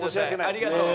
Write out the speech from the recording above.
ありがとう。